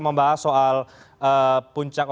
membahas soal ee puncak